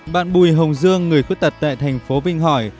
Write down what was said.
bạn bùi hồng dương người khuyết tật tại tp vinh hỏi